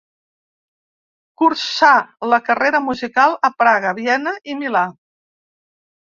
Cursà la carrera musical a Praga, Viena i Milà.